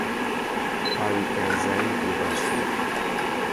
ئاوی کانزاییم پێ باشترە.